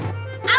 betul sekali iqal